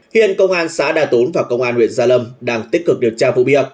hiện công an xã đà tốn và công an huyện sa lâm đang tích cực điều tra vụ biệt